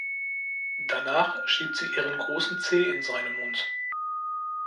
Danach schiebt sie ihren großen Zeh in seinen Mund.